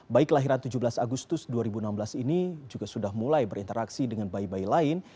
bayi kelahiran tujuh belas agustus dua ribu enam belas ini juga sudah mulai berinteraksi dengan bayi bayi lain